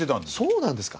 そうなんですか。